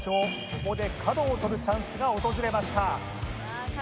ここで角を取るチャンスが訪れました